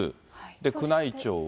宮内庁は。